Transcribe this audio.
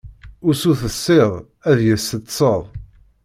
Usu tessiḍ, ad deg-s teṭṭseḍ.